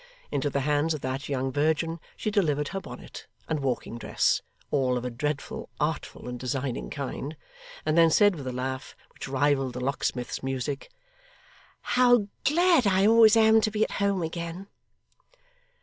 Into the hands of that young virgin, she delivered her bonnet and walking dress (all of a dreadful, artful, and designing kind), and then said with a laugh, which rivalled the locksmith's music, 'How glad I always am to be at home again!